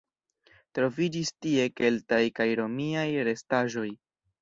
Troviĝis tie keltaj kaj romiaj restaĵoj.